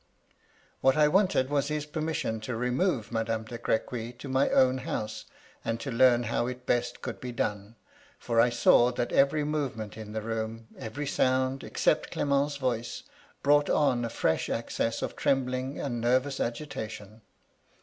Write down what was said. What I wanted was his permission to remove Madame de Crequy to my own house, and to learn how it best could be done; for I saw that every movement in the room, every sound, except Clement's voice, brought on a fresh access of trembling and nervous agitation.